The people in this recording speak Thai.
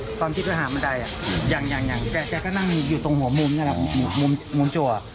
แต่ตอนที่เขาหาประดายอย่างอย่างอย่างแจ้ก็นั่งอยู่ตรงหัวมุมมุมจั๋ว